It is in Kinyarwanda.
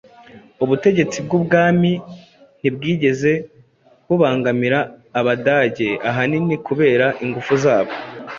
Ubutegetsi bw'umwami ntibwigeze bubangamira Abadage, ahanini kubera ingufu zabo